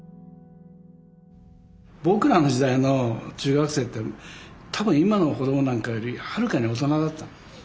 僕らの時代の中学生って多分今の子供なんかよりはるかに大人だった。